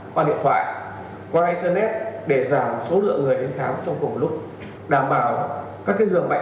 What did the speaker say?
qua điện thoại qua internet để giảm số lượng người đến khám trong cùng lúc đảm bảo các dường